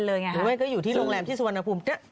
หรือไม่ก็อยู่ที่โรงแรมที่สุวรรณภูมิ